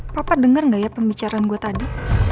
papa denger gak ya pembicaraan gue tadi